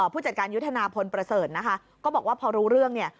ผู้จัดการยุทธนาพลประเสริฐนะคะก็บอกว่าพอรู้เรื่องเนี่ย